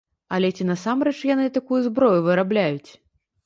Але ці насамрэч яны такую зброю вырабляюць?